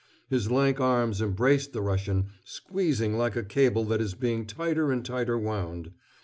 His lank arms embraced the Russian, squeezing like a cable that is being tighter and tighter wound.